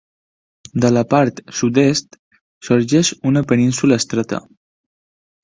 De la part sud-est sorgeix una península estreta.